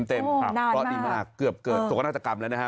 นานมากก็ดีมากเกือบเกิดสกนักศักดิ์กรรมแล้วนะครับ